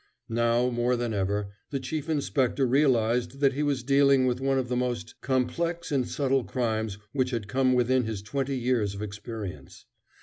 Now, more than ever, the Chief Inspector realized that he was dealing with one of the most complex and subtle crimes which had come within his twenty years of experience.